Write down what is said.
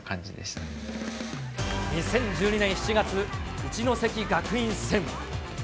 ２０１２年７月、一関学院戦。